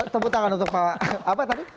tepuk tangan untuk pak apa tapi